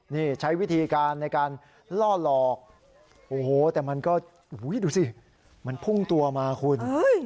นี่ใช้วิธีการในการล่อหลอกโอ้โหแต่มันก็ดูสิมันพุ่งตัวมาคุณ